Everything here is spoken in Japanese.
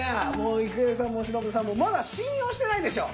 郁恵さんも忍さんもまだ信用してないでしょう。